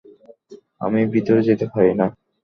আমি ভিতরে যেতে পারি না।